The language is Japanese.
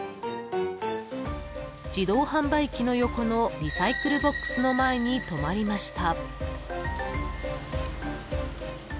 ［自動販売機の横のリサイクルボックスの前に止まりました］